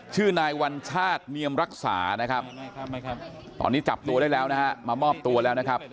ชื่อนายวัญชาติเนียมรักษานะครับตอนนี้จับตัวได้แล้วนะฮะมามอบตัวแล้วนะครับ